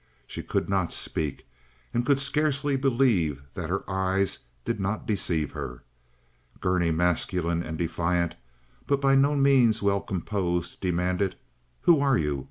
She could not speak, and could scarcely believe that her eyes did not deceive her. Gurney, masculine and defiant, but by no means well composed, demanded: "Who are you?